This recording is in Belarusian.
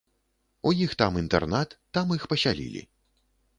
У іх там інтэрнат, там іх пасялілі.